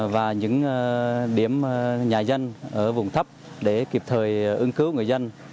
và những điểm nhà dân ở vùng thấp để kịp thời ứng cứu người dân